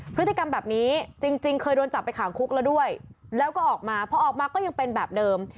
พฤติกรรมแบบนี้จริงเคยโดนจับไปขังคุกแล้วด้วยแล้วก็ออกมาพอออกมาก็ยังเป็นแบบเดิม